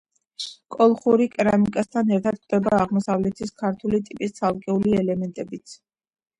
კოლხური კერამიკასთან ერთად გვხვდება აღმოსავლეთის ქართული ტიპის ცალკეული ელემენტებიც.